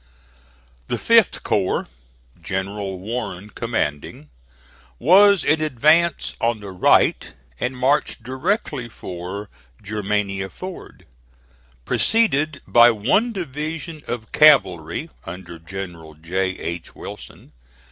The 5th corps, General Warren commanding, was in advance on the right, and marched directly for Germania Ford, preceded by one division of cavalry, under General J. H. Wilson.